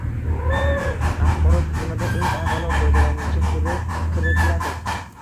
- Axborot tizimida eng avvalo foydalanuvchi turi kirtiladi